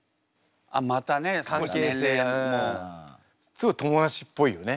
すごい友達っぽいよね。